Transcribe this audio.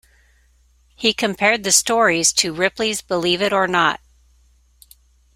He compared the stories to Ripley's Believe It or Not!